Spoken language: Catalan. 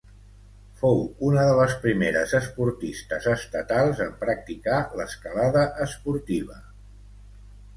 Fou una de les primeres esportistes estatals en practicar l'escalada esportiva.